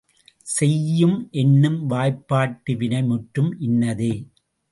செய்யும் என்னும் வாய்பாட்டு வினைமுற்றும் இன்னதே.